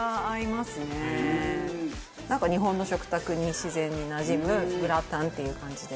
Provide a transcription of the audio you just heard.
「なんか日本の食卓に自然になじむグラタンっていう感じで」